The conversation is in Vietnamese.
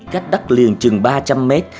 cách đất liền chừng ba trăm linh mét